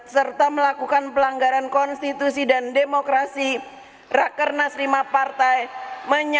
serta melakukan pelanggaran konstitusi dan demokrasi rakhrenas v partai menyampaikan permintaan maaf kepada seluruh rakyat indonesia